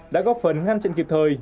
đã góp phần ngăn chận kịp thời